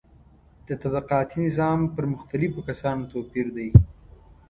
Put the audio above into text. د طبقاتي نظام پر مختلفو کسانو توپیر دی.